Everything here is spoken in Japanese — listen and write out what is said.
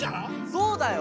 そうだよ。